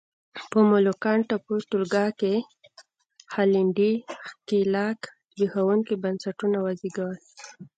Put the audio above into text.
په مولوکان ټاپو ټولګه کې هالنډي ښکېلاک زبېښونکي بنسټونه وزېږول.